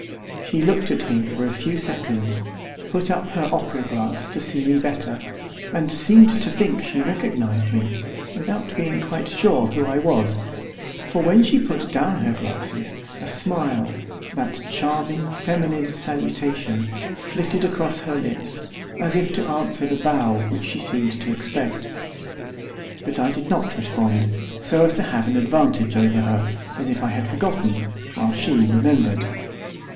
She looked at me for a few seconds, put up her opera glass to see me better, and seemed to think she recognised me, without being quite sure who I was, for when she put down her glasses, a smile, that charming, feminine salutation, flitted across her lips, as if to answer the bow which she seemed to expect; but I did not respond, so as to have an advantage over her, as if I had forgotten, while she remembered.